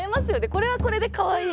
これはこれでかわいい。